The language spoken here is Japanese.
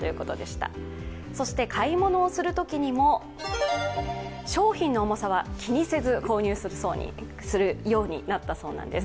そして買い物をするときにも商品の重さは気にせず購入するようになったそうなんです。